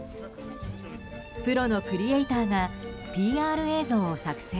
プロのクリエーターがＰＲ映像を作成。